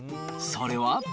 それは。